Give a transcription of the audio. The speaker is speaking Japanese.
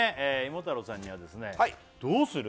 芋太郎さんにはですねどうする？